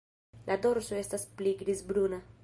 La dorso estas pli grizbruna.